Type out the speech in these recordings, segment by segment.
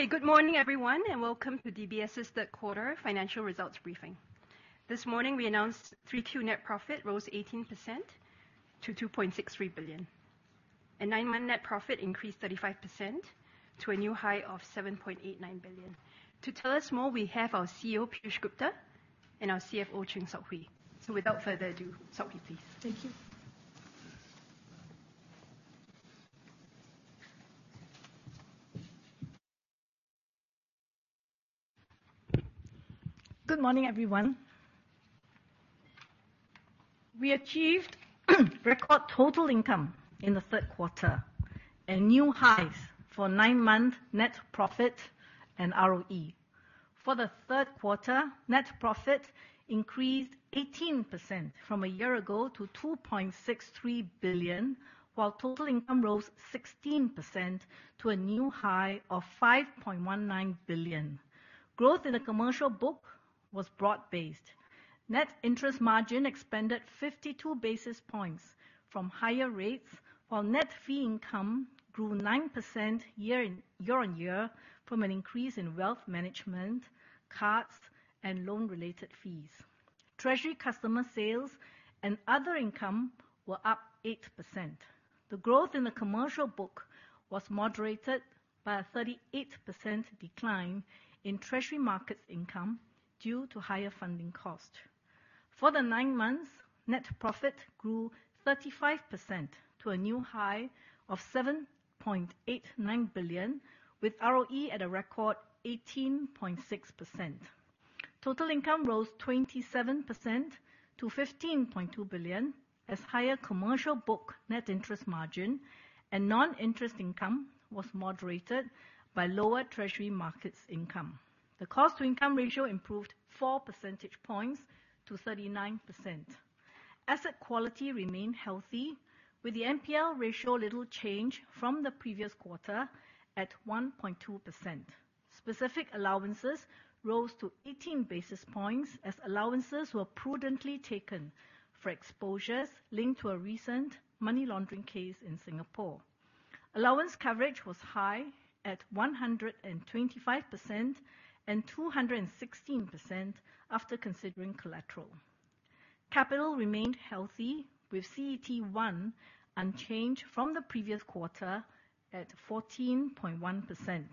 Okay, good morning, everyone, and welcome to DBS's third quarter financial results briefing. This morning, we announced three-tier net profit rose 18% to SGD 2.63 billion, and nine-month net profit increased 35% to a new high of 7.89 billion. To tell us more, we have our CEO, Piyush Gupta, and our CFO, Chng Sok Hui. So without further ado, Sok Hui, please. Thank you. Good morning, everyone. We achieved record total income in the third quarter, and new highs for nine-month net profit and ROE. For the third quarter, net profit increased 18% from a year ago to 2.63 billion, while total income rose 16% to a new high of 5.19 billion. Growth in the commercial book was broad-based. Net interest margin expanded 52 basis points from higher rates, while net fee income grew 9% year-on-year from an increase in wealth management, cards, and loan-related fees. Treasury customer sales and other income were up 8%. The growth in the commercial book was moderated by a 38% decline in treasury markets income due to higher funding costs. For the nine months, net profit grew 35% to a new high of 7.89 billion, with ROE at a record 18.6%. Total income rose 27% to 15.2 billion, as higher commercial book net interest margin and non-interest income was moderated by lower treasury markets income. The cost-to-income ratio improved 4 percentage points to 39%. Asset quality remained healthy, with the NPL ratio little change from the previous quarter at 1.2%. Specific allowances rose to 18 basis points, as allowances were prudently taken for exposures linked to a recent money laundering case in Singapore. Allowance coverage was high at 125%-216% after considering collateral. Capital remained healthy, with CET1 unchanged from the previous quarter at 14.1%.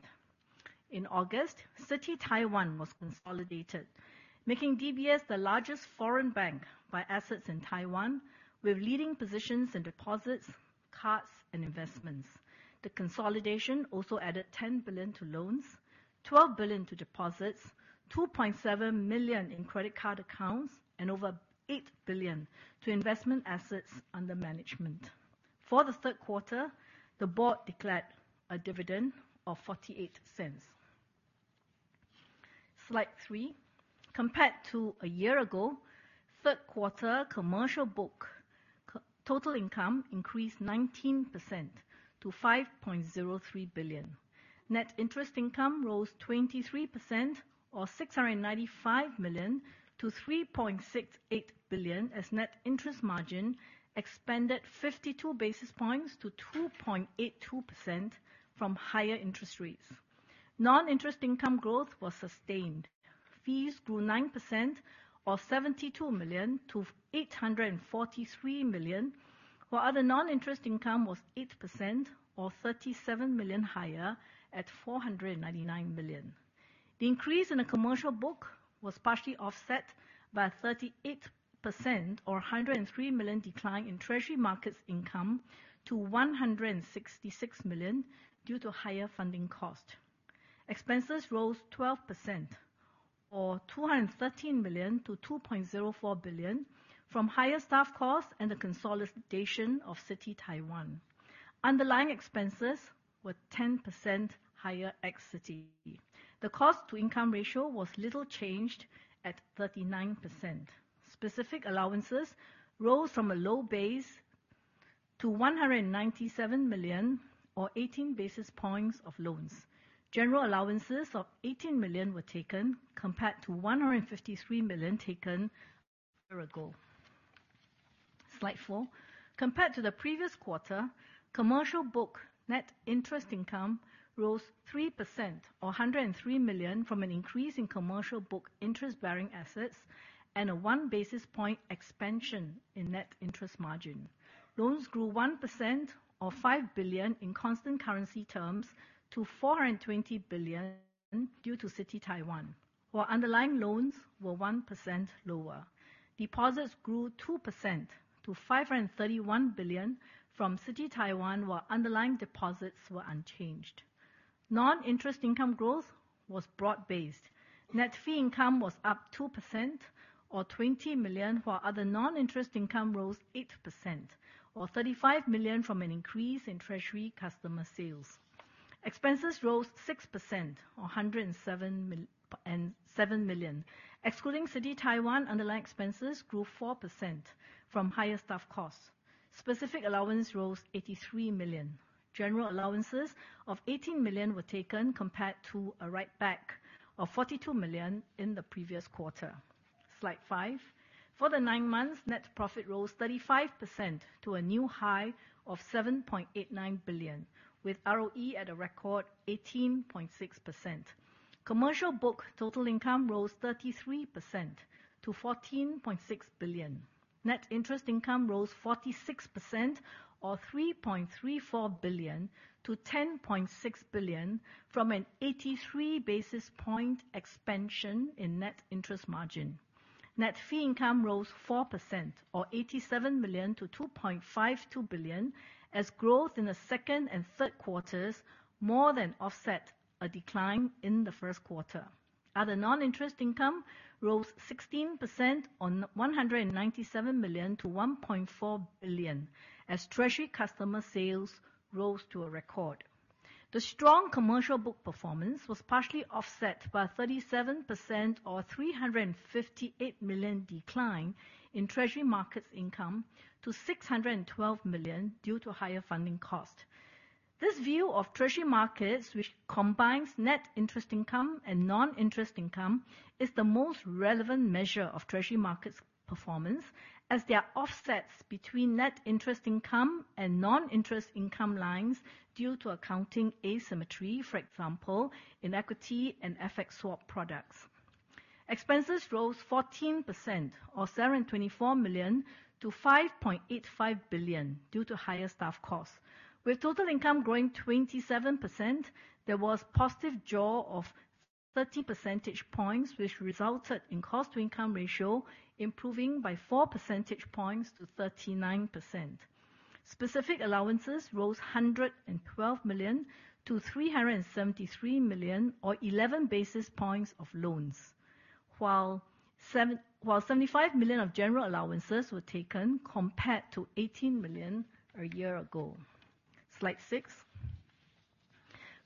In August, Citi Taiwan was consolidated, making DBS the largest foreign bank by assets in Taiwan, with leading positions in deposits, cards, and investments. The consolidation also added 10 billion to loans, 12 billion to deposits, 2.7 million in credit card accounts, and over 8 billion to investment assets under management. For the third quarter, the board declared a dividend of 0.48. Slide three. Compared to a year ago, third quarter commercial book total income increased 19% to 5.03 billion. Net interest income rose 23%, or 695 million to 3.68 billion, as net interest margin expanded 52 basis points to 2.82% from higher interest rates. Non-interest income growth was sustained. Fees grew 9% or 72 million-843 million, while other non-interest income was 8% or 37 million higher at 499 million. The increase in the commercial book was partially offset by a 38% or 103 million decline in treasury markets income to 166 million, due to higher funding cost. Expenses rose 12% or 213 million-2.04 billion from higher staff costs and the consolidation of Citi Taiwan. Underlying expenses were 10% higher ex-Citi. The cost-to-income ratio was little changed at 39%. Specific allowances rose from a low base to 197 million or 18 basis points of loans. General allowances of 18 million were taken, compared to 153 million taken a year ago. Slide four. Compared to the previous quarter, commercial book net interest income rose 3%, or 103 million, from an increase in commercial book interest-bearing assets and a one basis point expansion in net interest margin. Loans grew 1% or 5 billion in constant currency terms to 420 billion due to Citi Taiwan, while underlying loans were 1% lower. Deposits grew 2% to 531 billion from Citi Taiwan, while underlying deposits were unchanged. Non-interest income growth was broad-based. Net fee income was up 2% or 20 million, while other non-interest income rose 8%, or 35 million, from an increase in treasury customer sales. Expenses rose 6%, or 107 million. Excluding Citi Taiwan, underlying expenses grew 4% from higher staff costs. Specific allowance rose 83 million. General allowances of 18 million were taken compared to a write-back of 42 million in the previous quarter. Slide five. For the nine months, net profit rose 35% to a new high of 7.89 billion, with ROE at a record 18.6%. Commercial book total income rose 33% to 14.6 billion. Net interest income rose 46%, or 3.34 billion-10.6 billion, from an 83 basis point expansion in net interest margin. Net fee income rose 4%, or 87 million-2.52 billion, as growth in the second and third quarters more than offset a decline in the first quarter. Other non-interest income rose 16% on 197 million-1.4 billion, as treasury customer sales rose to a record. The strong commercial book performance was partially offset by a 37%, or 358 million, decline in treasury markets income to 612 million due to higher funding costs. This view of treasury markets, which combines net interest income and non-interest income, is the most relevant measure of treasury markets performance, as there are offsets between net interest income and non-interest income lines due to accounting asymmetry, for example, in equity and FX swap products. Expenses rose 14%, or 724 million-5.85 billion due to higher staff costs. With total income growing 27%, there was positive jaw of 30 percentage points, which resulted in cost to income ratio improving by 4 percentage points to 39%. Specific allowances rose 112 million-373 million, or 11 basis points of loans, while 75 million of general allowances were taken, compared to 18 million a year ago. Slide six.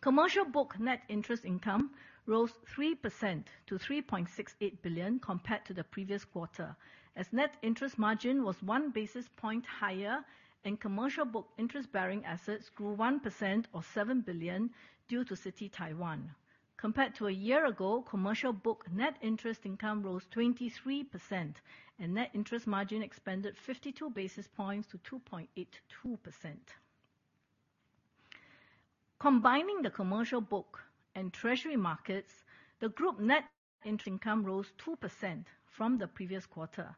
Commercial book net interest income rose 3% to 3.68 billion compared to the previous quarter, as net interest margin was 1 basis point higher, and commercial book interest bearing assets grew 1% or 7 billion due to Citi Taiwan. Compared to a year ago, commercial book net interest income rose 23%, and net interest margin expanded 52 basis points to 2.82%. Combining the commercial book and treasury markets, the group net interest income rose 2% from the previous quarter.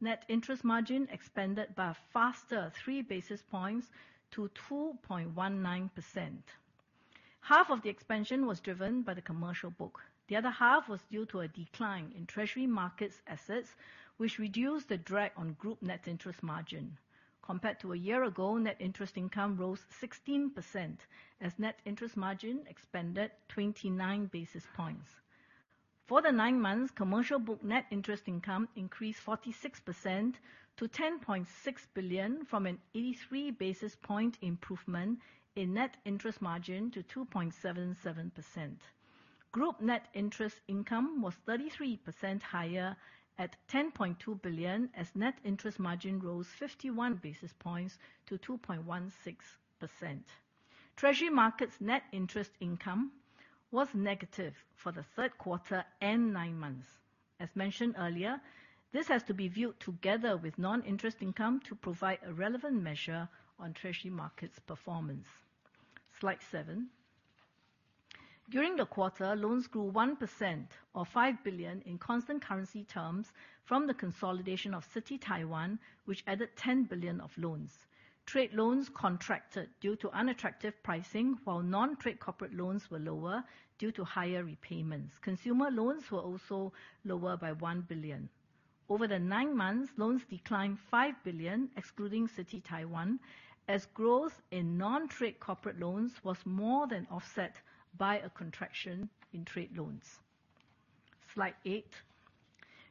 Net interest margin expanded by a faster 3 basis points to 2.19%. Half of the expansion was driven by the commercial book. The other half was due to a decline in treasury markets assets, which reduced the drag on group net interest margin. Compared to a year ago, net interest income rose 16%, as net interest margin expanded 29 basis points. For the nine months, commercial book net interest income increased 46% to 10.6 billion from an 83 basis point improvement in net interest margin to 2.77%. Group net interest income was 33% higher at 10.2 billion, as net interest margin rose 51 basis points to 2.16%. Treasury markets net interest income was negative for the third quarter and 9 months. As mentioned earlier, this has to be viewed together with non-interest income to provide a relevant measure on treasury markets performance. Slide seven. During the quarter, loans grew 1%, or SGD 5 billion, in constant currency terms from the consolidation of Citi Taiwan, which added SGD 10 billion of loans. Trade loans contracted due to unattractive pricing, while non-trade corporate loans were lower due to higher repayments. Consumer loans were also lower by 1 billion. Over the nine months, loans declined 5 billion, excluding Citi Taiwan, as growth in non-trade corporate loans was more than offset by a contraction in trade loans. Slide eight.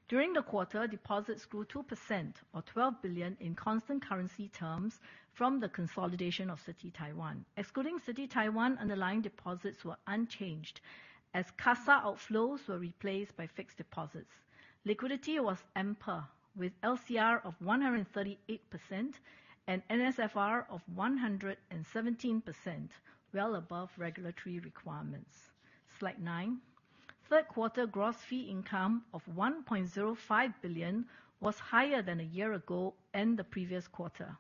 During the quarter, deposits grew 2%, or 12 billion, in constant currency terms from the consolidation of Citi Taiwan. Excluding Citi Taiwan, underlying deposits were unchanged as CASA outflows were replaced by fixed deposits. Liquidity was ample, with LCR of 138% and NSFR of 117%, well above regulatory requirements. Slide nine. Third quarter gross fee income of SGD 1.05 billion was higher than a year ago and the previous quarter.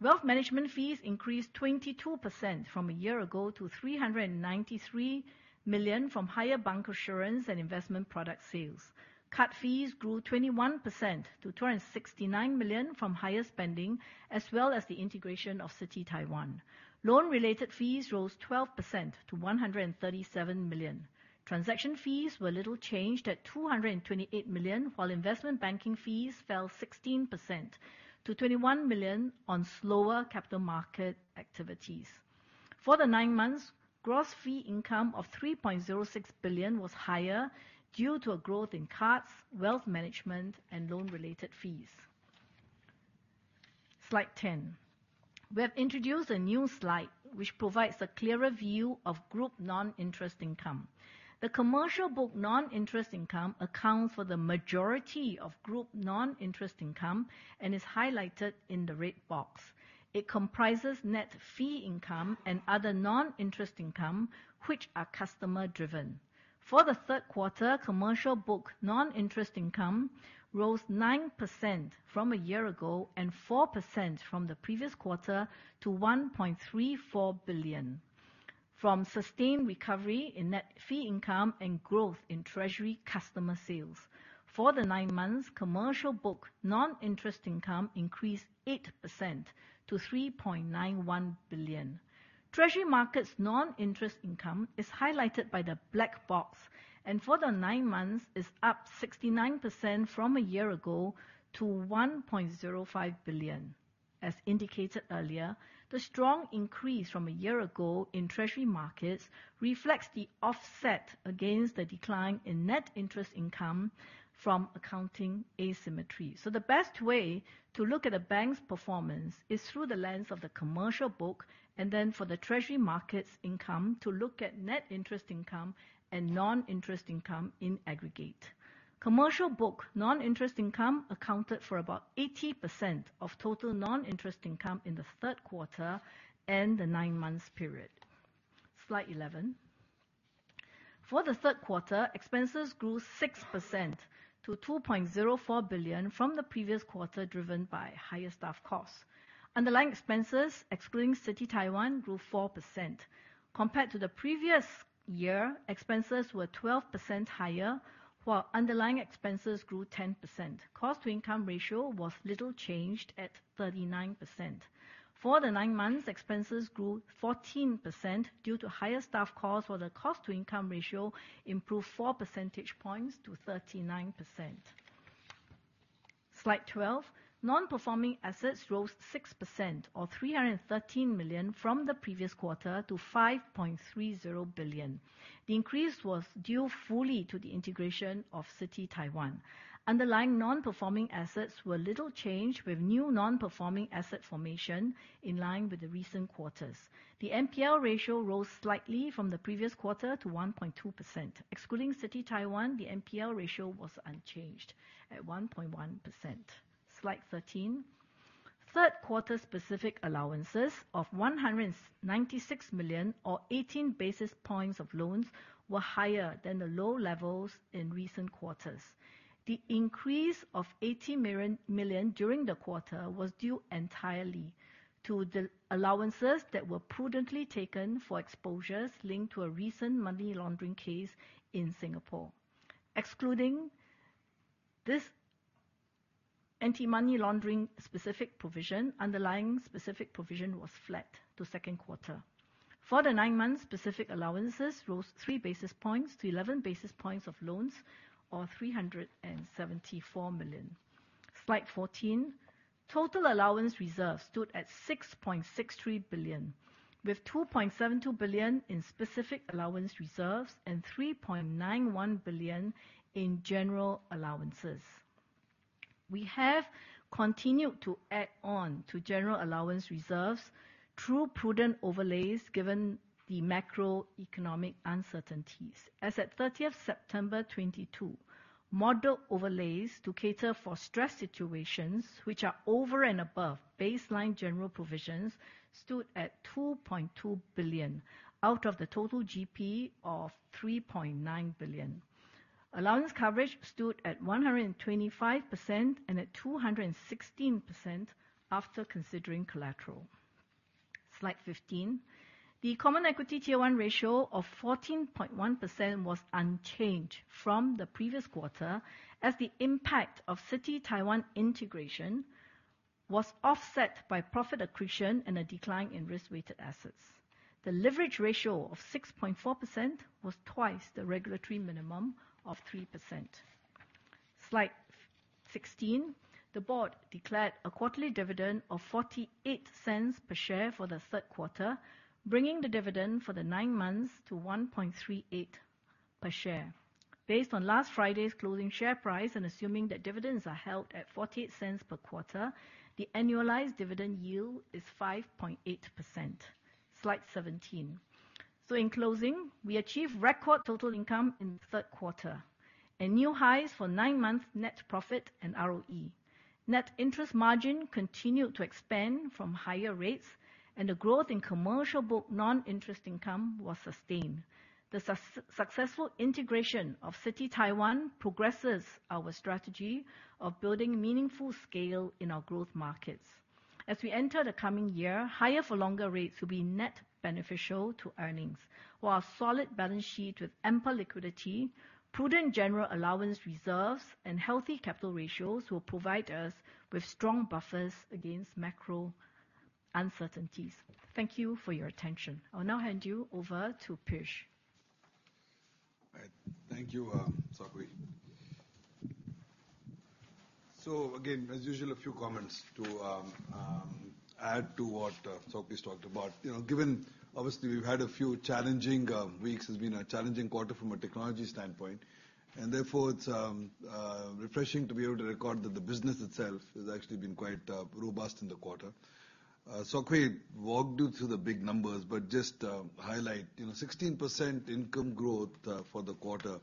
Wealth management fees increased 22% from a year ago to 393 million from higher bank assurance and investment product sales. Card fees grew 21% to 269 million from higher spending, as well as the integration of Citi Taiwan. Loan-related fees rose 12% to 137 million. Transaction fees were little changed at 228 million, while investment banking fees fell 16% to 21 million on slower capital market activities. For the nine months, gross fee income of 3.06 billion was higher due to a growth in cards, wealth management, and loan-related fees. Slide 10. We have introduced a new slide, which provides a clearer view of group non-interest income. The commercial book non-interest income accounts for the majority of group non-interest income and is highlighted in the red box. It comprises net fee income and other non-interest income, which are customer driven. For the third quarter, commercial book non-interest income rose 9% from a year ago, and 4% from the previous quarter to 1.34 billion, from sustained recovery in net fee income and growth in treasury customer sales. For the nine months, commercial book non-interest income increased 8% to SGD 3.91 billion. Treasury markets non-interest income is highlighted by the black box, and for the nine months is up 69% from a year ago to 1.05 billion. As indicated earlier, the strong increase from a year ago in treasury markets reflects the offset against the decline in net interest income from accounting asymmetry. The best way to look at a bank's performance is through the lens of the commercial book, and then for the treasury markets income, to look at net interest income and non-interest income in aggregate. Commercial book non-interest income accounted for about 80% of total non-interest income in the third quarter and the nine months period. Slide 11. For the third quarter, expenses grew 6% to 2.04 billion from the previous quarter, driven by higher staff costs. Underlying expenses, excluding Citi Taiwan, grew 4%. Compared to the previous year, expenses were 12% higher, while underlying expenses grew 10%. Cost-to-income ratio was little changed at 39%. For the nine months, expenses grew 14% due to higher staff costs, while the cost-to-income ratio improved four percentage points to 39%. Slide 12. Non-performing assets rose 6%, or 313 million from the previous quarter to 5.30 billion. The increase was due fully to the integration of Citi Taiwan. Underlying non-performing assets were little changed, with new non-performing asset formation in line with the recent quarters. The NPL ratio rose slightly from the previous quarter to 1.2%. Excluding Citi Taiwan, the NPL ratio was unchanged at 1.1%. Slide 13. Third quarter specific allowances of 196 million, or 18 basis points of loans, were higher than the low levels in recent quarters. The increase of 80 million during the quarter was due entirely to the allowances that were prudently taken for exposures linked to a recent money laundering case in Singapore. Excluding this anti-money laundering specific provision, underlying specific provision was flat to second quarter. For the nine months, specific allowances rose 3 basis points to 11 basis points of loans, or 374 million. Slide 14. Total allowance reserves stood at 6.63 billion, with 2.72 billion in specific allowance reserves and 3.91 billion in general allowances. We have continued to add on to general allowance reserves through prudent overlays, given the macroeconomic uncertainties. As at 30 September 2022, model overlays to cater for stress situations which are over and above baseline general provisions, stood at 2.2 billion, out of the total GP of 3.9 billion. Allowance coverage stood at 125%, and at 216% after considering collateral. Slide 15. The Common Equity Tier 1 ratio of 14.1% was unchanged from the previous quarter, as the impact of Citi Taiwan integration was offset by profit accretion and a decline in risk-weighted assets. The leverage ratio of 6.4% was twice the regulatory minimum of 3%. Slide 16. The board declared a quarterly dividend of 0.48 per share for the third quarter, bringing the dividend for the nine months to 1.38 per share. Based on last Friday's closing share price, and assuming that dividends are held at 0.48 per quarter, the annualized dividend yield is 5.8%. Slide 17. So in closing, we achieved record total income in the third quarter and new highs for nine-month net profit and ROE. Net interest margin continued to expand from higher rates, and the growth in commercial book non-interest income was sustained. The successful integration of Citi Taiwan progresses our strategy of building meaningful scale in our growth markets. As we enter the coming year, higher for longer rates will be net beneficial to earnings, while our solid balance sheet with ample liquidity, prudent general allowance reserves, and healthy capital ratios, will provide us with strong buffers against macro uncertainties. Thank you for your attention. I'll now hand you over to Piyush. All right. Thank you, Sok Hui. So again, as usual, a few comments to add to what Sok Hui's talked about. You know, given obviously we've had a few challenging weeks, it's been a challenging quarter from a technology standpoint, and therefore, it's refreshing to be able to record that the business itself has actually been quite robust in the quarter. Sok Hui walked you through the big numbers, but just highlight, you know, 16% income growth for the quarter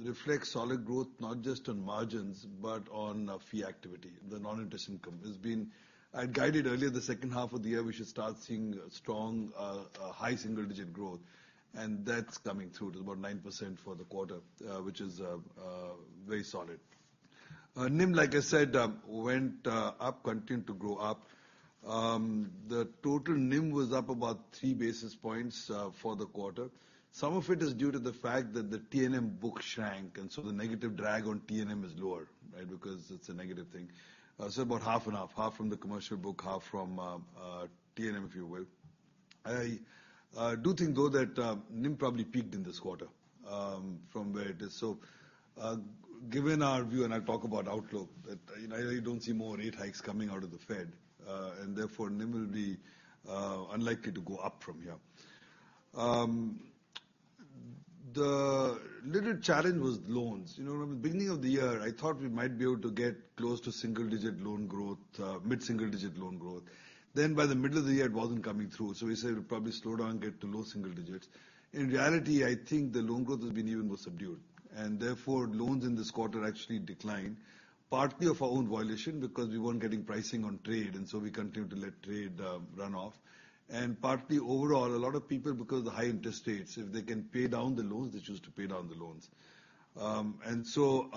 reflects solid growth, not just on margins, but on fee activity. The non-interest income has been. I had guided earlier the second half of the year, we should start seeing strong high single-digit growth, and that's coming through to about 9% for the quarter, which is very solid. NIM, like I said, went up, continued to grow up. The total NIM was up about three basis points for the quarter. Some of it is due to the fact that the TNM book shrank, and so the negative drag on TNM is lower, right? Because it's a negative thing. So about half and half, half from the commercial book, half from TNM, if you will. I do think, though, that NIM probably peaked in this quarter, from where it is. So, given our view, and I'll talk about outlook, that I really don't see more rate hikes coming out of the Fed, and therefore, NIM will be unlikely to go up from here. The little challenge was loans. You know, in the beginning of the year, I thought we might be able to get close to single digit loan growth, mid-single digit loan growth. Then by the middle of the year, it wasn't coming through, so we said it would probably slow down, get to low single digits. In reality, I think the loan growth has been even more subdued, and therefore, loans in this quarter actually declined, partly of our own violation, because we weren't getting pricing on trade, and so we continued to let trade run off. And partly overall, a lot of people, because of the high interest rates, if they can pay down the loans, they choose to pay down the loans. And so,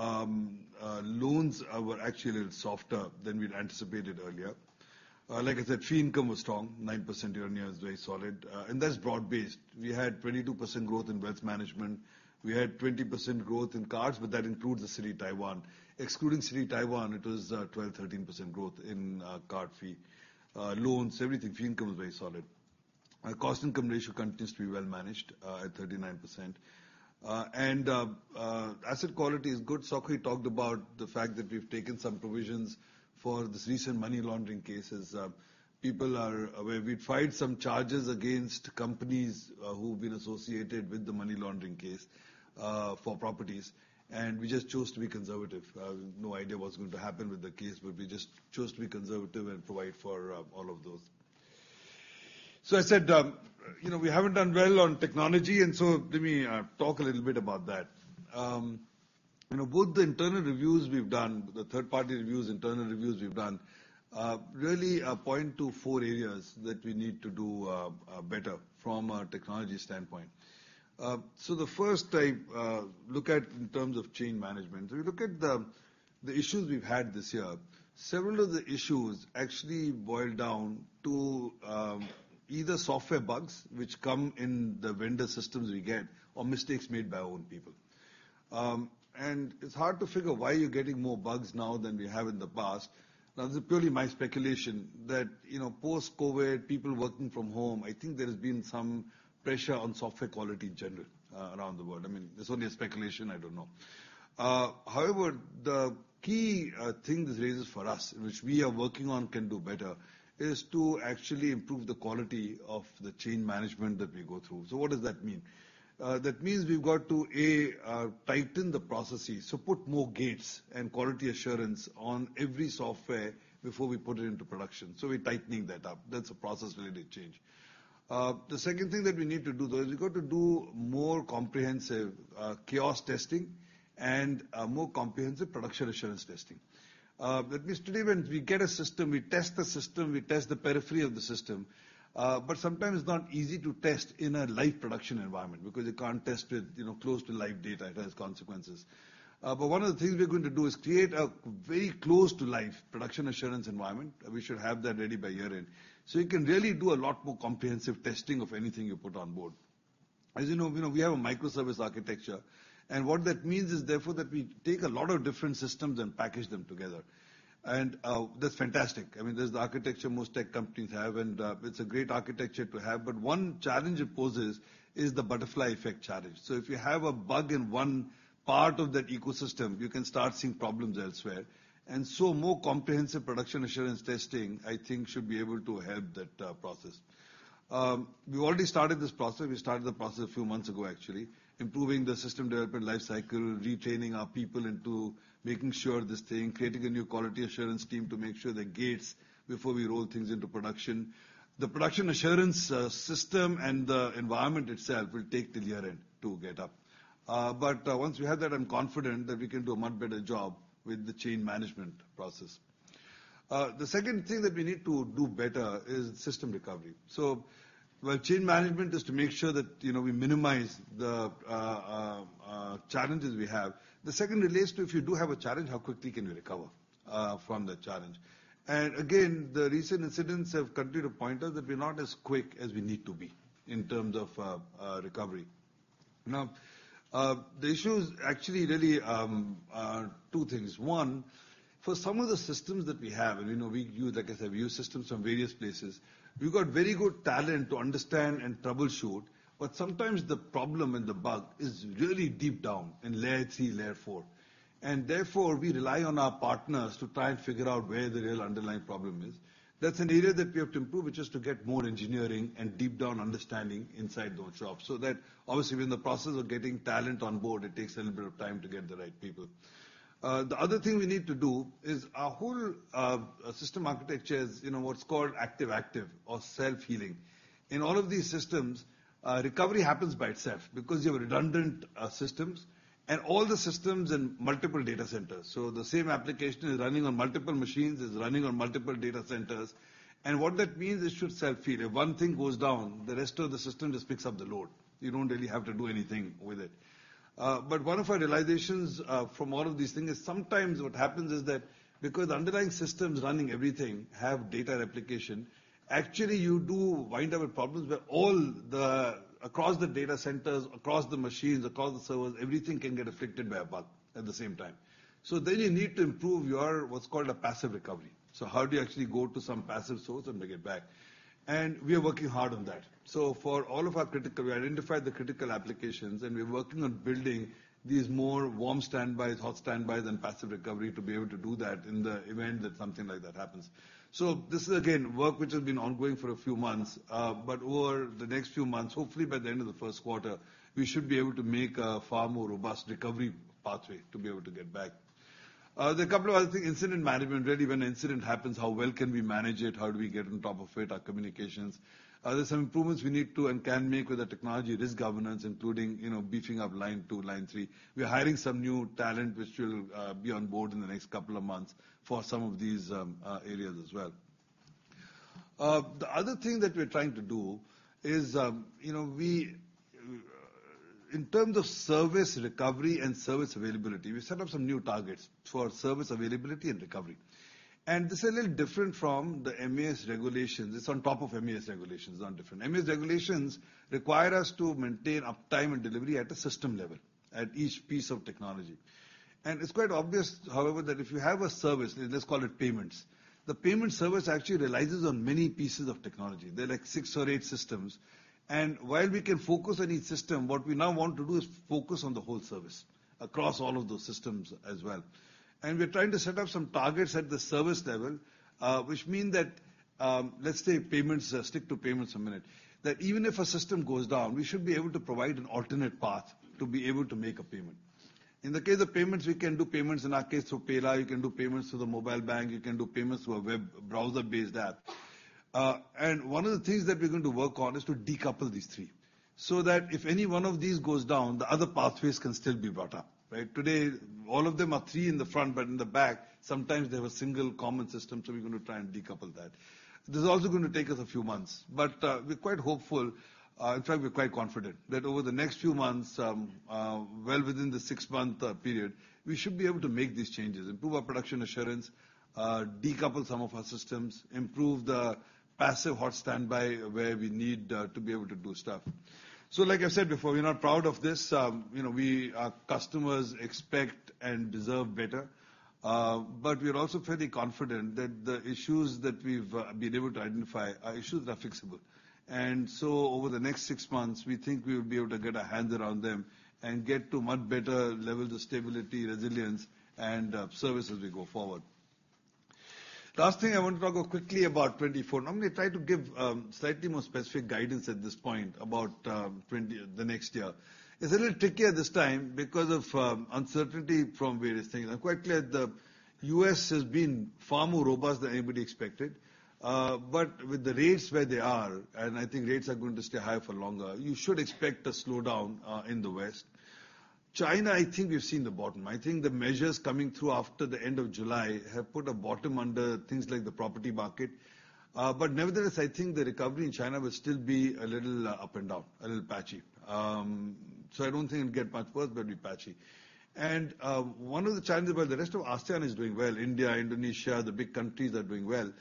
loans were actually a little softer than we'd anticipated earlier. Like I said, fee income was strong, 9% year-on-year is very solid, and that's broad-based. We had 22% growth in wealth management. We had 20% growth in cards, but that includes the Citi Taiwan. Excluding Citi Taiwan, it was 12%-13% growth in card fee, loans, everything. Fee income was very solid. Our cost income ratio continues to be well managed at 39%. Asset quality is good. Sok talked about the fact that we've taken some provisions for this recent money laundering cases. People are aware we filed some charges against companies who've been associated with the money laundering case for properties, and we just chose to be conservative. We've no idea what's going to happen with the case, but we just chose to be conservative and provide for all of those. So I said, you know, we haven't done well on technology, and so let me talk a little bit about that. You know, both the internal reviews we've done, the third-party reviews, internal reviews we've done, really point to four areas that we need to do better from a technology standpoint. So the first I look at in terms of chain management, we look at the issues we've had this year. Several of the issues actually boil down to either software bugs, which come in the vendor systems we get, or mistakes made by our own people. And it's hard to figure why you're getting more bugs now than we have in the past. Now, this is purely my speculation that, you know, post-COVID, people working from home, I think there has been some pressure on software quality in general around the world. I mean, it's only a speculation, I don't know. However, the key thing this raises for us, which we are working on and can do better, is to actually improve the quality of the change management that we go through. So what does that mean? That means we've got to, A, tighten the processes, so put more gates and quality assurance on every software before we put it into production. So we're tightening that up. That's a process really to change. The second thing that we need to do, though, is we've got to do more comprehensive kiosk testing and more comprehensive production assurance testing. That means today when we get a system, we test the system, we test the periphery of the system, but sometimes it's not easy to test in a live production environment because you can't test it, you know, close to live data, it has consequences. But one of the things we're going to do is create a very close to live production assurance environment. We should have that ready by year-end. So you can really do a lot more comprehensive testing of anything you put on board. As you know, you know, we have a microservice architecture, and what that means is therefore, that we take a lot of different systems and package them together. And that's fantastic. I mean, that's the architecture most tech companies have, and, it's a great architecture to have. But one challenge it poses is the butterfly effect challenge. So if you have a bug in one part of that ecosystem, you can start seeing problems elsewhere. And so more comprehensive production assurance testing, I think, should be able to help that process. We've already started this process. We started the process a few months ago, actually, improving the system development lifecycle, retraining our people into making sure this thing, creating a new quality assurance team to make sure there are gates before we roll things into production. The production assurance system and the environment itself will take till year-end to get up. But once we have that, I'm confident that we can do a much better job with the chain management process. The second thing that we need to do better is system recovery. So change management is to make sure that, you know, we minimize the challenges we have. The second relates to if you do have a challenge, how quickly can you recover from that challenge? And again, the recent incidents have continued to point out that we're not as quick as we need to be in terms of recovery. Now, the issues actually really are two things. One, for some of the systems that we have, and you know, we use, like I said, we use systems from various places. We've got very good talent to understand and troubleshoot, but sometimes the problem and the bug is really deep down in layer three, layer four. And therefore, we rely on our partners to try and figure out where the real underlying problem is. That's an area that we have to improve, which is to get more engineering and deep down understanding inside those jobs, so that obviously, we're in the process of getting talent on board. It takes a little bit of time to get the right people. The other thing we need to do is our whole system architecture is, you know, what's called active-active or self-healing. In all of these systems, recovery happens by itself because you have redundant systems and all the systems in multiple data centers. So the same application is running on multiple machines, is running on multiple data centers, and what that means, it should self-heal. If one thing goes down, the rest of the system just picks up the load. You don't really have to do anything with it. But one of our realizations from all of these things is sometimes what happens is that because the underlying systems running everything have data replication, actually, you do wind up with problems where all the across the data centers, across the machines, across the servers, everything can get afflicted by a bug at the same time. So then you need to improve your, what's called a passive recovery. So how do you actually go to some passive source and bring it back? And we are working hard on that. So for all of our critical... We identified the critical applications, and we're working on building these more warm standbys, hot standbys, and passive recovery to be able to do that in the event that something like that happens. So this is, again, work which has been ongoing for a few months, but over the next few months, hopefully by the end of the first quarter, we should be able to make a far more robust recovery pathway to be able to get back. There are a couple of other things, incident management. Really, when an incident happens, how well can we manage it? How do we get on top of it, our communications? There's some improvements we need to and can make with the technology risk governance, including, you know, beefing up line two, line three. We are hiring some new talent, which will be on board in the next couple of months for some of these areas as well. The other thing that we're trying to do is, you know, in terms of service recovery and service availability, we set up some new targets for service availability and recovery. This is a little different from the MAS regulations. It's on top of MAS regulations; it's not different. MAS regulations require us to maintain uptime and delivery at a system level, at each piece of technology. It's quite obvious, however, that if you have a service, let's call it payments, the payment service actually relies on many pieces of technology. There are, like, six or eight systems, and while we can focus on each system, what we now want to do is focus on the whole service across all of those systems as well. We're trying to set up some targets at the service level, which mean that, let's say payments, stick to payments a minute. That even if a system goes down, we should be able to provide an alternate path to be able to make a payment. In the case of payments, we can do payments, in our case, through PayLah, you can do payments through the mobile bank, you can do payments through a web browser-based app. And one of the things that we're going to work on is to decouple these three, so that if any one of these goes down, the other pathways can still be brought up, right? Today, all of them are three in the front, but in the back, sometimes they have a single common system, so we're going to try and decouple that. This is also going to take us a few months, but we're quite hopeful. In fact, we're quite confident that over the next few months, well, within the six-month period, we should be able to make these changes, improve our production assurance, decouple some of our systems, improve the passive hot standby where we need to be able to do stuff. So like I said before, we're not proud of this. You know, our customers expect and deserve better, but we are also fairly confident that the issues that we've been able to identify are issues that are fixable. And so over the next six months, we think we'll be able to get our hands around them and get to much better levels of stability, resilience, and service as we go forward. Last thing, I want to talk quickly about 2024. Normally, I try to give slightly more specific guidance at this point about the next year. It's a little trickier this time because of uncertainty from various things. I'm quite clear the U.S. has been far more robust than anybody expected, but with the rates where they are, and I think rates are going to stay high for longer, you should expect a slowdown in the West. China, I think we've seen the bottom. I think the measures coming through after the end of July have put a bottom under things like the property market. But nevertheless, I think the recovery in China will still be a little up and down, a little patchy. So I don't think it'll get much worse, but it'll be patchy. One of the challenges where the rest of ASEAN is doing well, India, Indonesia, the big countries are doing well.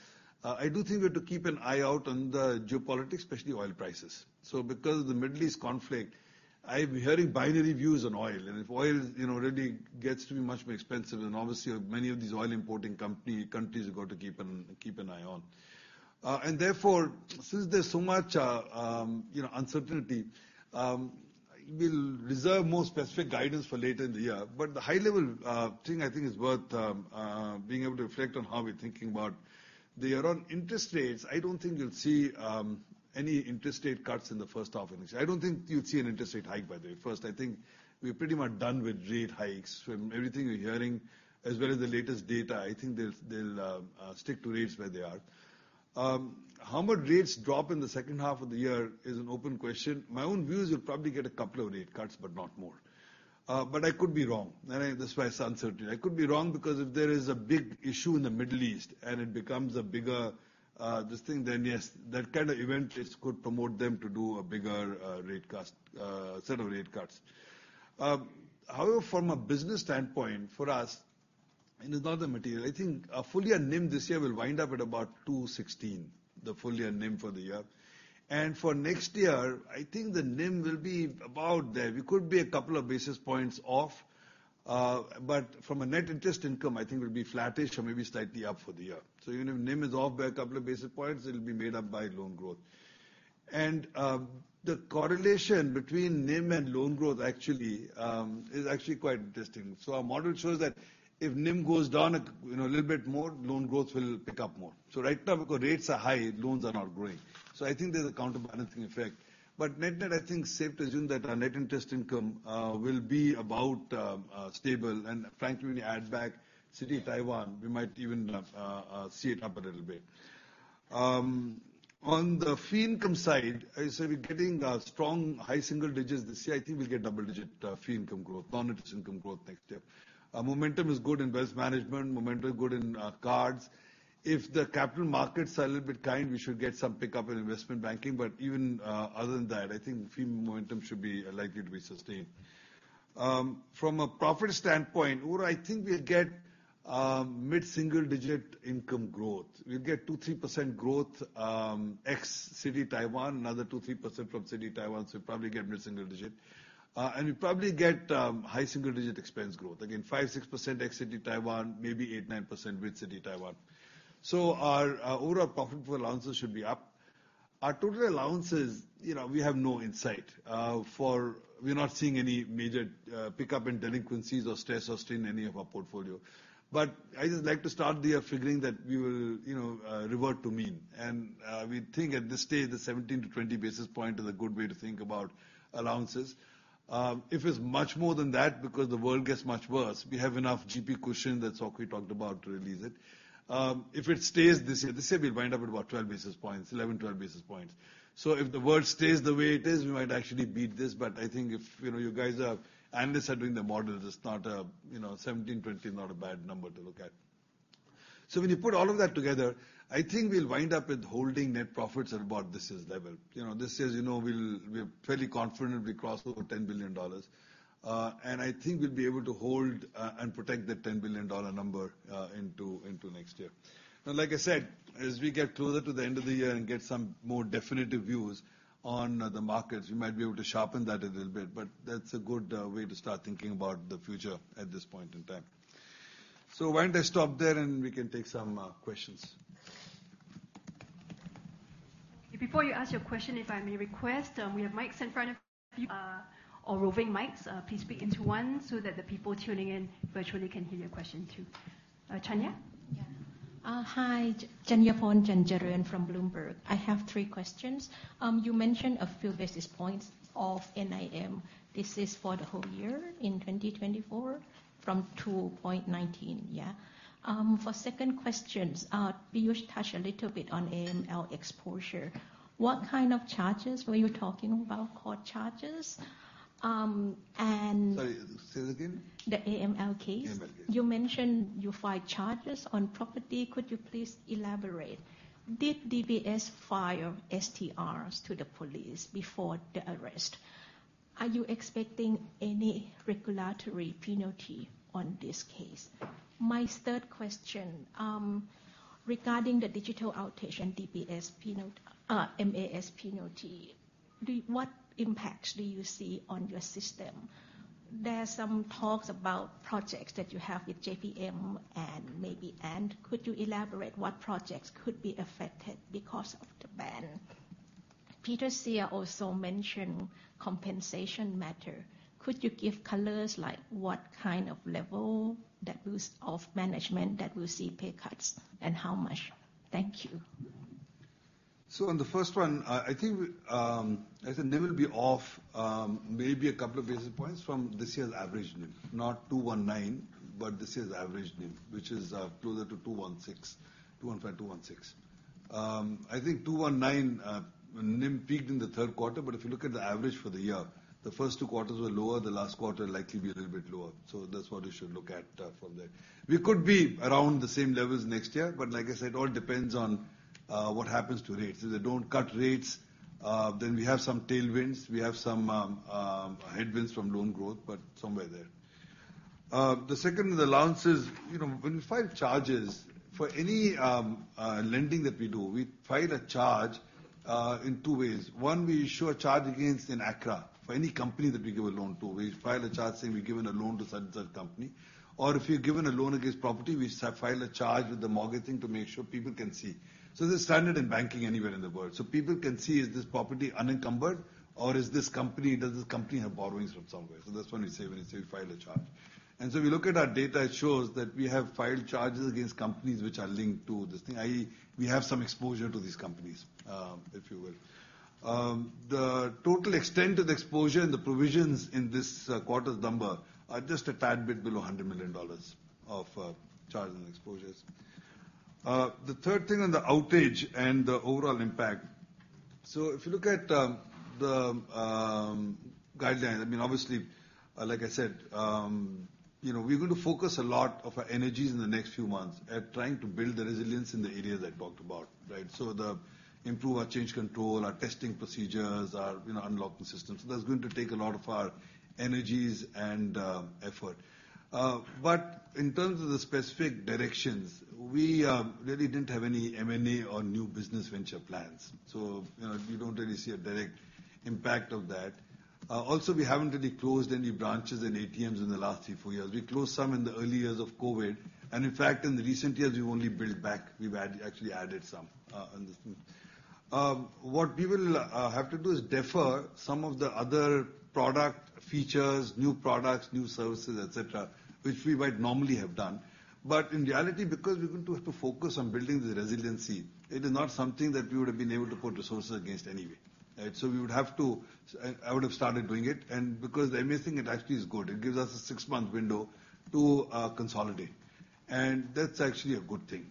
I do think we have to keep an eye out on the geopolitics, especially oil prices. So because of the Middle East conflict, I'm hearing binary views on oil. And if oil, you know, really gets to be much more expensive, and obviously, many of these oil-importing countries have got to keep an eye on. And therefore, since there's so much, you know, uncertainty, we'll reserve more specific guidance for later in the year. But the high level thing I think is worth being able to reflect on how we're thinking about the year-on interest rates. I don't think you'll see any interest rate cuts in the first half of next year. I don't think you'd see an interest rate hike, by the way. First, I think we're pretty much done with rate hikes. From everything we're hearing, as well as the latest data, I think they'll stick to rates where they are. How much rates drop in the second half of the year is an open question. My own view is you'll probably get a couple of rate cuts, but not more. But I could be wrong, and that's why it's uncertain. I could be wrong, because if there is a big issue in the Middle East and it becomes a bigger this thing, then yes, that kind of event risk could promote them to do a bigger rate cut set of rate cuts. However, from a business standpoint, for us, and it's not the material, I think our full-year NIM this year will wind up at about 2.16, the full-year NIM for the year. And for next year, I think the NIM will be about there. We could be a couple of basis points off, but from a net interest income, I think we'll be flattish or maybe slightly up for the year. So even if NIM is off by a couple of basis points, it'll be made up by loan growth. And, the correlation between NIM and loan growth actually, is actually quite interesting. So our model shows that if NIM goes down, it, you know, a little bit more, loan growth will pick up more. So right now, because rates are high, loans are not growing. So I think there's a counterbalancing effect. But net-net, I think safe to assume that our net interest income will be about stable. And frankly, when you add back Citi Taiwan, we might even see it up a little bit. On the fee income side, I said we're getting strong high single digits this year. I think we'll get double-digit fee income growth, non-interest income growth next year. Our momentum is good in wealth management, momentum is good in cards. If the capital markets are a little bit kind, we should get some pick-up in investment banking. But even other than that, I think fee momentum should be likely to be sustained. From a profit standpoint, overall, I think we'll get mid-single digit income growth. We'll get 2%-3% growth ex-Citi Taiwan, another 2%-3% from Citi Taiwan, so probably get mid-single-digit. And we'll probably get high single-digit expense growth. Again, 5%-6% ex-Citi Taiwan, maybe 8%-9% with Citi Taiwan. So our overall profit for allowances should be up. Our total allowances, you know, we have no insight. We're not seeing any major pick-up in delinquencies or stress or strain in any of our portfolio. But I just like to start the year figuring that we will, you know, revert to mean. And we think at this stage, the 17 basis points-20 basis points is a good way to think about allowances. If it's much more than that, because the world gets much worse, we have enough GP cushion, that's what we talked about, to release it. If it stays the same, this year we'll wind up at about 12 basis points, 11 basis points-12 basis points. So if the world stays the way it is, we might actually beat this. But I think if, you know, you guys are, analysts are doing the model, it's not a, you know, 17-20 is not a bad number to look at. So when you put all of that together, I think we'll wind up with holding net profits at about this year's level. You know, this year, you know, we're fairly confident we crossed over 10 billion dollars. And I think we'll be able to hold and protect the 10 billion dollar number into next year. Now, like I said, as we get closer to the end of the year and get some more definitive views on the markets, we might be able to sharpen that a little bit, but that's a good way to start thinking about the future at this point in time. So why don't I stop there and we can take some questions? Before you ask your question, if I may request, we have mics in front of you, or roving mics. Please speak into one so that the people tuning in virtually can hear your question, too. Chanya? Yeah. Hi, Chanya Chanjaroen from Bloomberg. I have three questions. You mentioned a few basis points of NIM. This is for the whole year in 2024 from 2.19, yeah? For second questions, you touched a little bit on AML exposure. What kind of charges were you talking about, core charges? And- Sorry, say that again. The AML case. AML case. You mentioned you filed charges on property. Could you please elaborate? Did DBS file STRs to the police before the arrest? Are you expecting any regulatory penalty on this case? My third question, regarding the digital outage and DBS penalty, MAS penalty, what impacts do you see on your system? There are some talks about projects that you have with JPM and maybe Ant. Could you elaborate what projects could be affected because of the ban? Peter Seah also mentioned compensation matter. Could you give colors, like what kind of level that was of management that will see pay cuts, and how much? Thank you. So on the first one, I think, as the NIM will be off, maybe a couple of basis points from this year's average NIM. Not 2.19, but this year's average NIM, which is, closer to 2.16, 2.15, 2.16. I think 2.19, NIM peaked in the third quarter, but if you look at the average for the year, the first two quarters were lower, the last quarter likely be a little bit lower. So that's what you should look at, from there. We could be around the same levels next year, but like I said, it all depends on, what happens to rates. If they don't cut rates, then we have some tailwinds. We have some, headwinds from loan growth, but somewhere there. The second, the allowances, you know, when we file charges for any, lending that we do, we file a charge in two ways. One, we issue a charge against an ACRA. For any company that we give a loan to, we file a charge saying we've given a loan to such and such company. Or if you're given a loan against property, we file a charge with the mortgaging to make sure people can see. So this is standard in banking anywhere in the world. So people can see, is this property unencumbered or is this company, does this company have borrowings from somewhere? So that's when we say, when we say we file a charge. And so if you look at our data, it shows that we have filed charges against companies which are linked to this thing, i.e., we have some exposure to these companies, if you will. The total extent of the exposure and the provisions in this quarter's number are just a tad bit below $100 million of charging exposures. The third thing on the outage and the overall impact. So if you look at the guidelines, I mean, obviously, like I said, you know, we're going to focus a lot of our energies in the next few months at trying to build the resilience in the areas I talked about, right? So to improve our change control, our testing procedures, our, you know, unlocking systems. So that's going to take a lot of our energies and effort. But in terms of the specific directions, we really didn't have any M&A or new business venture plans, so, you know, you don't really see a direct impact of that. Also, we haven't really closed any branches and ATMs in the last three-four years. We closed some in the early years of COVID, and in fact, in the recent years, we've only built back. We've actually added some, understand. What we will have to do is defer some of the other product features, new products, new services, et cetera, which we might normally have done. But in reality, because we're going to have to focus on building the resiliency, it is not something that we would have been able to put resources against anyway. Right? So we would have to... I would have started doing it, and because the only thing, it actually is good, it gives us a six-month window to consolidate. And that's actually a good thing.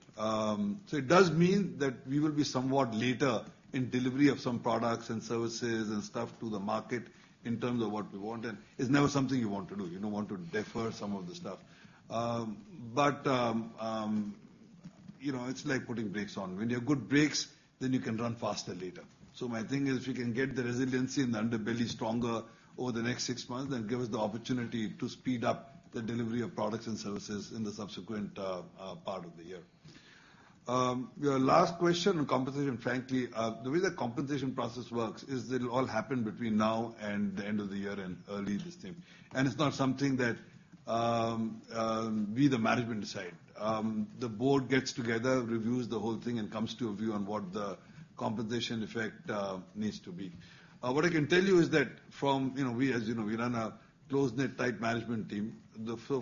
So it does mean that we will be somewhat later in delivery of some products and services and stuff to the market in terms of what we want, and it's never something you want to do. You don't want to defer some of the stuff. But you know, it's like putting brakes on. When you have good brakes, then you can run faster later. So my thing is, if we can get the resiliency and the underbelly stronger over the next six months, that give us the opportunity to speed up the delivery of products and services in the subsequent part of the year. Your last question on compensation, frankly, the way the compensation process works is that it'll all happen between now and the end of the year and early next year. It's not something that we, the management, decide. The board gets together, reviews the whole thing, and comes to a view on what the compensation effect needs to be. What I can tell you is that from, you know, as you know, we run a close-knit, tight management team.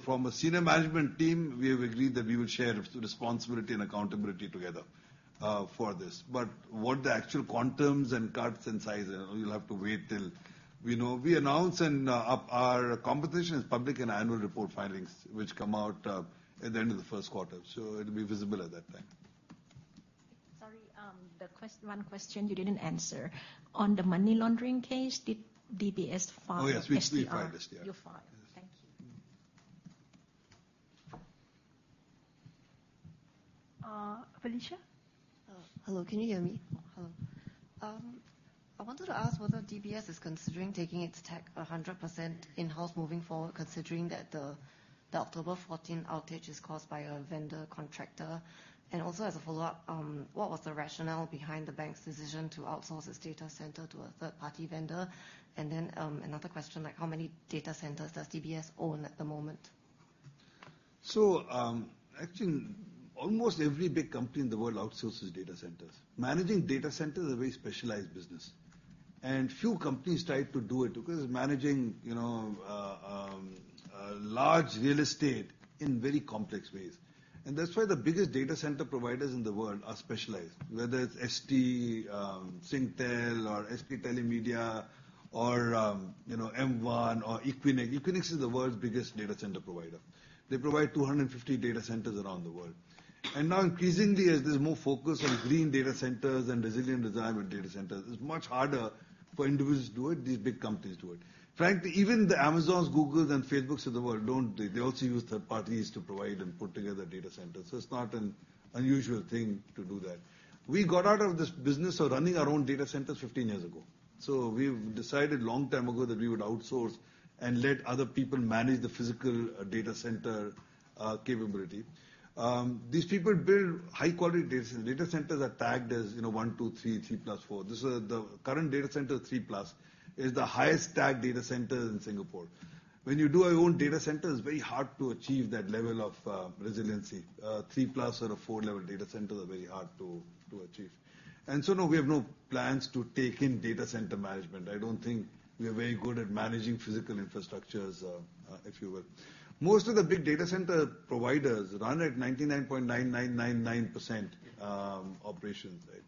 From a senior management team, we have agreed that we will share responsibility and accountability together for this. But what the actual quantums and cuts and sizes are, you'll have to wait till we know. We announce and up... Our competition is public and annual report filings, which come out, at the end of the first quarter, so it'll be visible at that time. Sorry, one question you didn't answer. On the money laundering case, did DBS file an STR? Oh, yes, we filed, yes. You filed. Thank you. Uh, Felicia? Hello, can you hear me? Hello. I wanted to ask whether DBS is considering taking its tech 100% in-house, moving forward, considering that the October 14th outage is caused by a vendor contractor. And also, as a follow-up, what was the rationale behind the bank's decision to outsource its data center to a third-party vendor? And then, another question, like, how many data centers does DBS own at the moment? So, actually, almost every big company in the world outsources data centers. Managing data centers is a very specialized business, and few companies try to do it, because managing, you know, a large real estate in very complex ways. And that's why the biggest data center providers in the world are specialized, whether it's ST, Singtel or ST Telemedia or, you know, M1 or Equinix. Equinix is the world's biggest data center provider. They provide 250 data centers around the world. And now, increasingly, as there's more focus on green data centers and resilient design with data centers, it's much harder for individuals to do it. These big companies do it. Frankly, even the Amazons, Googles, and Facebooks of the world don't do. They also use third parties to provide and put together data centers, so it's not an unusual thing to do that. We got out of this business of running our own data centers 15 years ago. So we've decided long time ago that we would outsource and let other people manage the physical data center capability. These people build high-quality data centers. Data centers are tagged as, you know, one, two, three, 3+4. This is the current data center, three plus, is the highest tagged data center in Singapore. When you do your own data center, it's very hard to achieve that level of resiliency. Three plus or a four-level data center are very hard to achieve. And so, no, we have no plans to take in data center management. I don't think we are very good at managing physical infrastructures, if you will. Most of the big data center providers run at 99.9999% operations, right?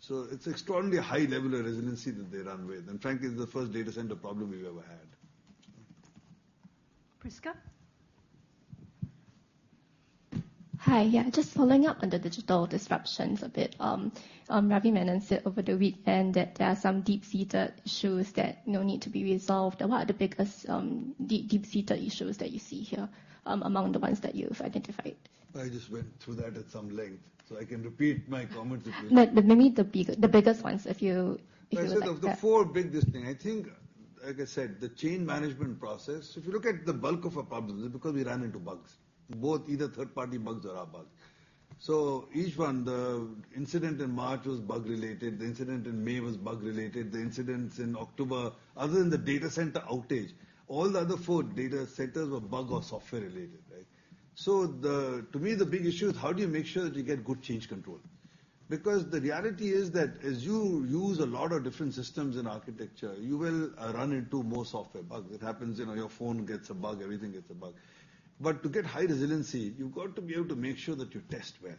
So it's extraordinarily high level of resiliency that they run with, and frankly, it's the first data center problem we've ever had. Prisca? Hi, yeah, just following up on the digital disruptions a bit. Ravi Menon said over the weekend that there are some deep-seated issues that, you know, need to be resolved. What are the biggest, deep-seated issues that you see here, among the ones that you've identified? I just went through that at some length, so I can repeat my comments, if you- No, but maybe the biggest ones, if you would, yeah. I said, of the four biggest things, I think, like I said, the change management process. If you look at the bulk of our problems, is because we ran into bugs, both either third-party bugs or our bugs. So each one, the incident in March was bug-related, the incident in May was bug-related, the incidents in October, other than the data center outage, all the other four data centers were bug or software-related, right? So the, to me, the big issue is how do you make sure that you get good change control? Because the reality is that as you use a lot of different systems in architecture, you will run into more software bugs. It happens, you know, your phone gets a bug, everything gets a bug. But to get high resiliency, you've got to be able to make sure that you test well,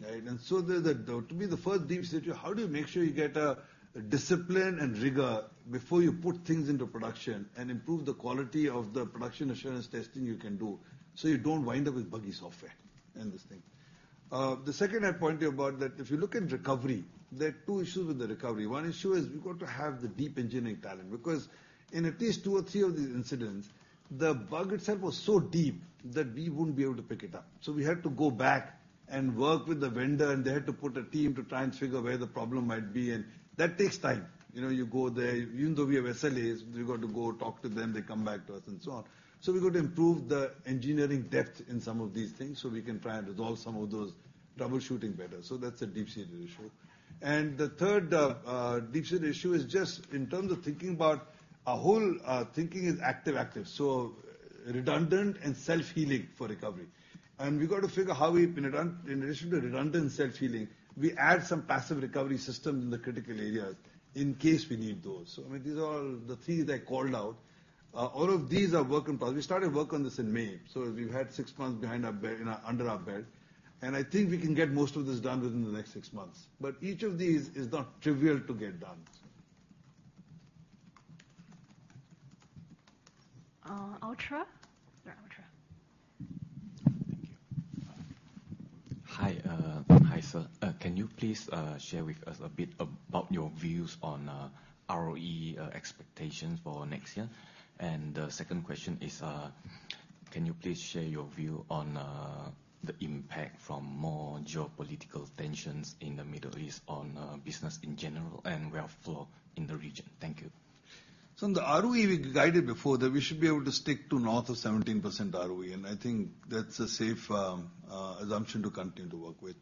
right? And so, to me, the first deep issue, how do you make sure you get a discipline and rigor before you put things into production and improve the quality of the production assurance testing you can do, so you don't wind up with buggy software in this thing? The second, I pointed about that, if you look at recovery, there are two issues with the recovery. One issue is you've got to have the deep engineering talent, because in at least two or three of these incidents, the bug itself was so deep that we wouldn't be able to pick it up. So we had to go back and work with the vendor, and they had to put a team to try and figure out where the problem might be, and that takes time. You know, you go there, even though we have SLAs, we've got to go talk to them, they come back to us, and so on. So we've got to improve the engineering depth in some of these things, so we can try and resolve some of those, troubleshooting better. So that's a deep-seated issue. And the third deep-seated issue is just in terms of thinking about our whole thinking is active, active, so redundant and self-healing for recovery. And we've got to figure how we, in addition to redundant self-healing, we add some passive recovery systems in the critical areas in case we need those. So, I mean, these are all the three that I called out. All of these are work in progress. We started work on this in May, so we've had six months behind our belt, under our belt, and I think we can get most of this done within the next six months. But each of these is not trivial to get done. Uh, Yantoultra? There, Yantoultra. Thank you. Hi, hi, sir. Can you please share with us a bit about your views on ROE expectations for next year? And, second question is, can you please share your view on the impact from more geopolitical tensions in the Middle East on business in general, and wealth flow in the region? Thank you. On the ROE, we guided before that we should be able to stick to north of 17% ROE, and I think that's a safe assumption to continue to work with.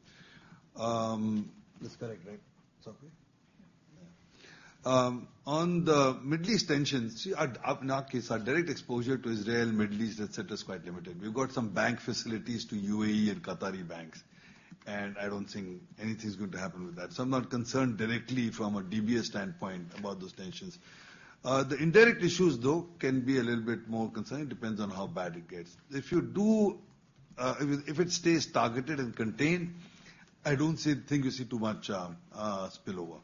That's correct, right, Sok Hui? Yeah. On the Middle East tensions, see, at UOB, our direct exposure to Israel, Middle East, et cetera, is quite limited. We've got some bank facilities to UAE and Qatari banks, and I don't think anything's going to happen with that. So I'm not concerned directly from a DBS standpoint about those tensions. The indirect issues, though, can be a little bit more concerning, depends on how bad it gets. If it stays targeted and contained, I don't see, think we see too much spillover.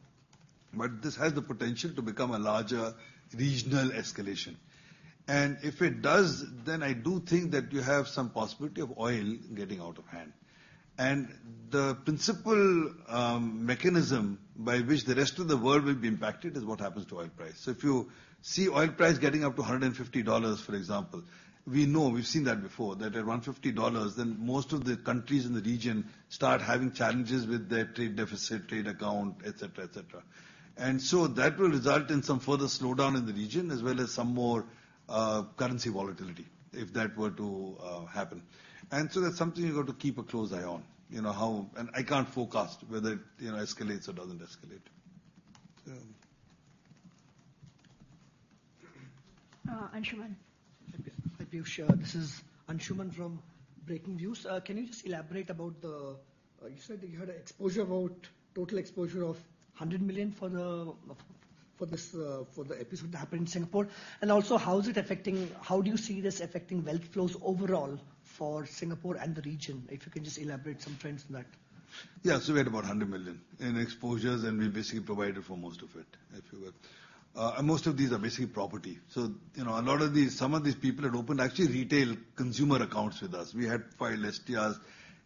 But this has the potential to become a larger regional escalation, and if it does, then I do think that you have some possibility of oil getting out of hand. And the principal mechanism by which the rest of the world will be impacted is what happens to oil price. So if you see oil price getting up to $150, for example, we know, we've seen that before, that around $50, then most of the countries in the region start having challenges with their trade deficit, trade account, et cetera, et cetera. And so that will result in some further slowdown in the region, as well as some more currency volatility, if that were to happen. And so that's something you've got to keep a close eye on. You know how I can't forecast whether it, you know, escalates or doesn't escalate. Uh, Anshuman. Thank you, sure. This is Anshuman from Breakingviews. Can you just elaborate about the. You said that you had an exposure about total exposure of 100 million for the, for this, for the episode that happened in Singapore? And also, how is it affecting... How do you see this affecting wealth flows overall for Singapore and the region? If you can just elaborate some trends on that. Yeah, so we had about 100 million in exposures, and we basically provided for most of it, if you will. And most of these are basically property. So, you know, a lot of these, some of these people had opened actually retail consumer accounts with us. We had filed STRs.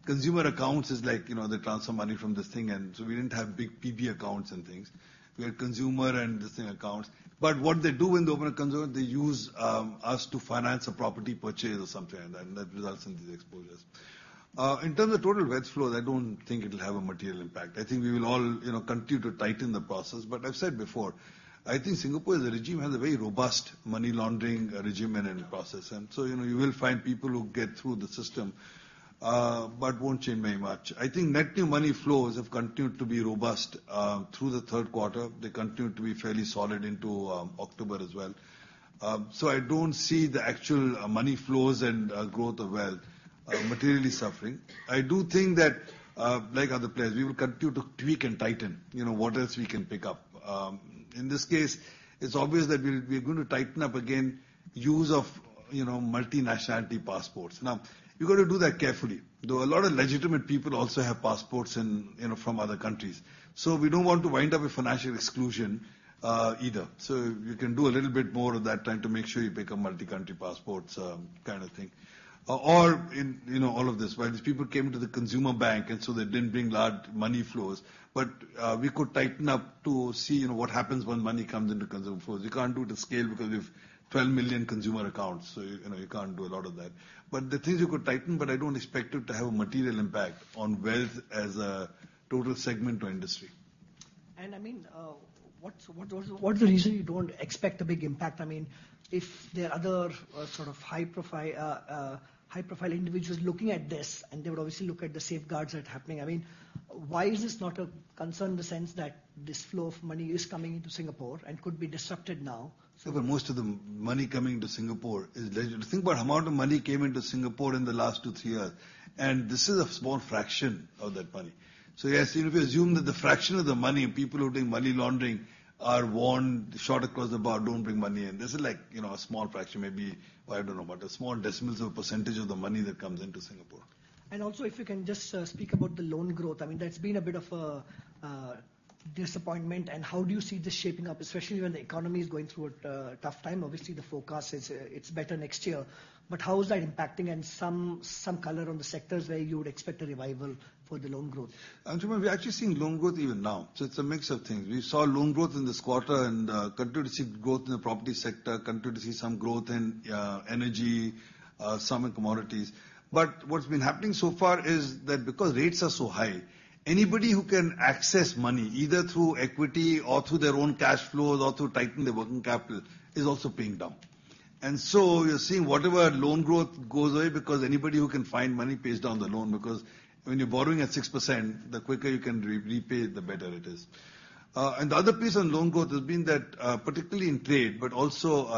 Consumer accounts is like, you know, they transfer money from this thing, and so we didn't have big PB accounts and things. We had consumer and this thing accounts. But what they do when they open a consumer, they use us to finance a property purchase or something like that, and that results in these exposures. In terms of total wealth flow, I don't think it'll have a material impact. I think we will all, you know, continue to tighten the process. But I've said before, I think Singapore as a regime has a very robust money laundering regime and process. So, you know, you will find people who get through the system, but won't change very much. I think net new money flows have continued to be robust through the third quarter. They continue to be fairly solid into October as well. So, I don't see the actual money flows and growth of wealth materially suffering. I do think that, like other players, we will continue to tweak and tighten, you know, what else we can pick up. In this case, it's obvious that we, we're going to tighten up again use of, you know, multi-nationality passports. Now, you've got to do that carefully, though a lot of legitimate people also have passports in, you know, from other countries. So we don't want to wind up with financial exclusion, either. So you can do a little bit more of that, trying to make sure you pick up multi-country passports, kind of thing. Or in, you know, all of this, right, these people came to the consumer bank, and so they didn't bring large money flows. But, we could tighten up to see, you know, what happens when money comes into consumer flows. You can't do it to scale because we have 12 million consumer accounts, so, you know, you can't do a lot of that. But the things you could tighten, but I don't expect it to have a material impact on wealth as a total segment or industry. And I mean, what's the reason you don't expect a big impact? I mean, if there are other sort of high-profile individuals looking at this, and they would obviously look at the safeguards that are happening. I mean, why is this not a concern in the sense that this flow of money is coming into Singapore and could be disrupted now? But most of the money coming into Singapore is legit. Think about amount of money came into Singapore in the last two, three years, and this is a small fraction of that money. So yes, if you assume that the fraction of the money, people who are doing money laundering are warned, shot across the bow, "Don't bring money in," this is like, you know, a small fraction, maybe, I don't know, about a small decimal of percentage of the money that comes into Singapore. And also, if you can just speak about the loan growth. I mean, that's been a bit of a disappointment, and how do you see this shaping up, especially when the economy is going through a tough time? Obviously, the forecast is it's better next year. But how is that impacting, and some color on the sectors where you would expect a revival for the loan growth? Anshuman, we're actually seeing loan growth even now, so it's a mix of things. We saw loan growth in this quarter and continue to see growth in the property sector, continue to see some growth in energy, some in commodities. But what's been happening so far is that because rates are so high, anybody who can access money, either through equity or through their own cash flows or through tightening their working capital, is also paying down. And so you're seeing whatever loan growth goes away, because anybody who can find money pays down the loan, because when you're borrowing at 6%, the quicker you can repay it, the better it is. And the other piece on loan growth has been that, particularly in trade, but also,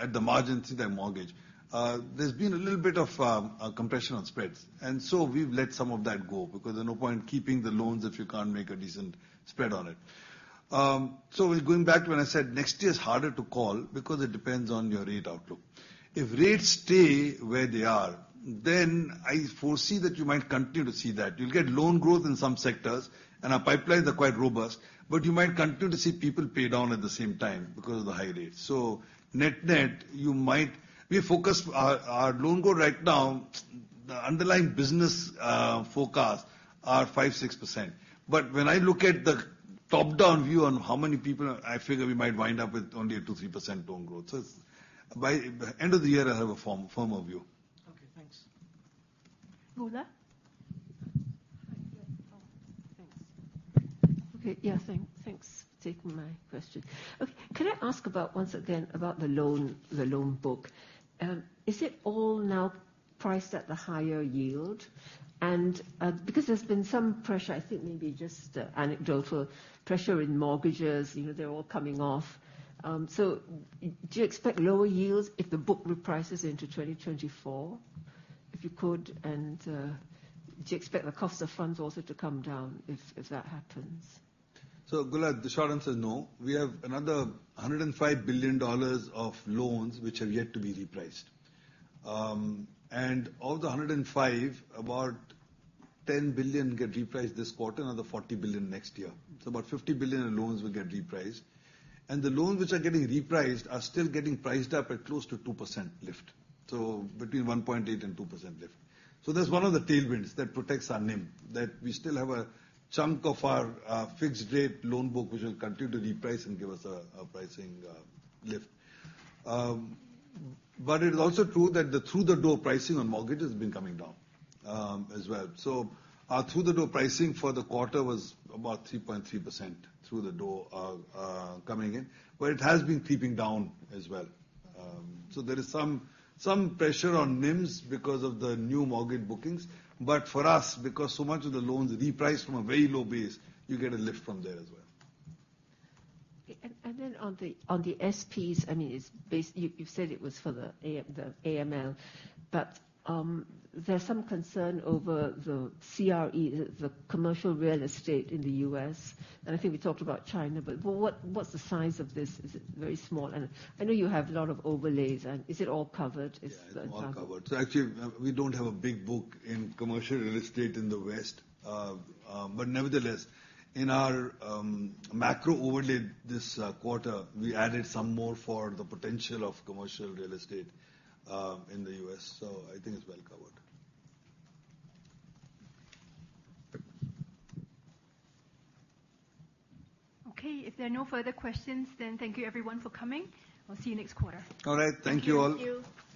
at the margin to their mortgage, there's been a little bit of a compression on spreads. And so we've let some of that go, because there's no point in keeping the loans if you can't make a decent spread on it. So going back to when I said next year is harder to call, because it depends on your rate outlook. If rates stay where they are, then I foresee that you might continue to see that. You'll get loan growth in some sectors, and our pipelines are quite robust, but you might continue to see people pay down at the same time because of the high rates. So net-net, you might—we focus our, our loan growth right now, the underlying business forecast are 5%-6%. But when I look at the top-down view on how many people, I figure we might wind up with only a 2%-3% loan growth. So by the end of the year, I'll have a firmer view. Okay, thanks. Guila? Hi, yeah. Thanks. Okay, yeah, thanks, thanks for taking my question. Okay, can I ask about once again, about the loan, the loan book? Is it all now priced at the higher yield? And because there's been some pressure, I think maybe just anecdotal pressure in mortgages, you know, they're all coming off. So do you expect lower yields if the book reprices into 2024? If you could, and do you expect the cost of funds also to come down if that happens? So, Guila, the short answer is no. We have another $105 billion of loans which are yet to be repriced. And of the $105 billion, about $10 billion get repriced this quarter, another $40 billion next year. So about $50 billion in loans will get repriced. And the loans which are getting repriced are still getting priced up at close to 2% lift, so between 1.8% and 2% lift. So that's one of the tailwinds that protects our NIM, that we still have a chunk of our fixed rate loan book, which will continue to reprice and give us a pricing lift. But it is also true that the through-the-door pricing on mortgages has been coming down, as well. So our through-the-door pricing for the quarter was about 3.3% through the door, coming in, but it has been creeping down as well. So there is some, some pressure on NIMs because of the new mortgage bookings. But for us, because so much of the loans reprice from a very low base, you get a lift from there as well. Okay, and then on the SPs, I mean, you said it was for the AML, but there's some concern over the CRE, the commercial real estate in the U.S., and I think we talked about China, but what's the size of this? Is it very small? And I know you have a lot of overlays, and is it all covered? Is the- Yeah, it's all covered. So actually, we don't have a big book in commercial real estate in the West. But nevertheless, in our macro overlay this quarter, we added some more for the potential of commercial real estate in the U.S. So I think it's well covered. Okay, if there are no further questions, then thank you everyone for coming. We'll see you next quarter. All right. Thank you all. Thank you.